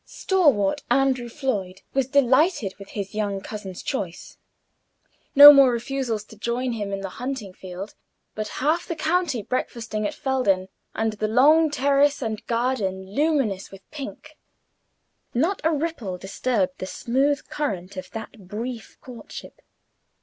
Stalwart Andrew Floyd was delighted with his young cousin's choice. No more refusals to join him in the hunting field, but half the county breakfasting at Felden, and the long terrace and garden luminous with "pink." Not a ripple disturbed the smooth current of that brief courtship.